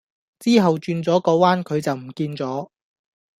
之後轉左個彎佢就唔見左